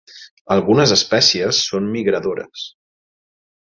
Algunes espècies són migradores.